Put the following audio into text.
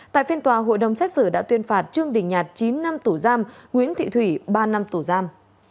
tại phiên tòa hội đồng xét xử đã tuyên phạt trương đình nhạt chín năm tù giam nguyễn thị thủy ba năm tù giam